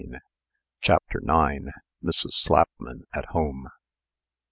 CHAPTER IX. MRS. SLAPMAN AT HOME.